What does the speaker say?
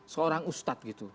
seorang ustadz gitu